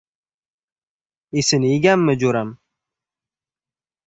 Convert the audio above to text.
Esini yeganmi jo‘ram!